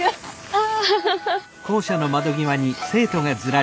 あ。